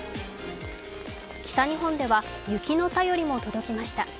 北日本では雪の便りも届きました。